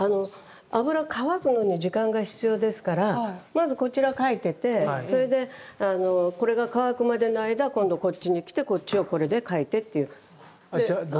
まずこちら描いててそれでこれが乾くまでの間今度こっちに来てこっちをこれで描いてっていう。